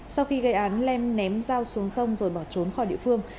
sau khi gây án lèm ném dao xuống sông rồi bỏ trốn khỏi địa phương